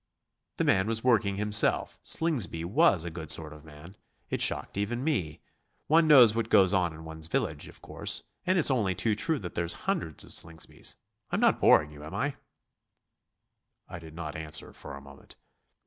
'" "The man was working himself Slingsby was a good sort of man. It shocked even me. One knows what goes on in one's own village, of course. And it's only too true that there's hundreds of Slingsbys I'm not boring you, am I?" I did not answer for a moment.